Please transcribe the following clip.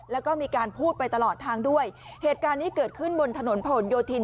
แล้วก็มีการพูดไปตลอดทางด้วยเหตุการณ์นี้เกิดขึ้นบนถนนผนโยธิน